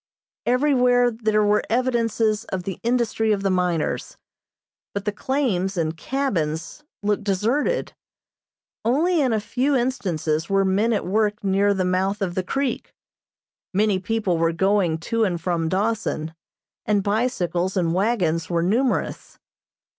Everywhere there were evidences of the industry of the miners, but the claims and cabins looked deserted. Only in a few instances were men at work near the mouth of the creek. Many people were going to and from Dawson, and bicycles and wagons were numerous.